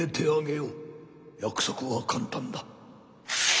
約束は簡単だ。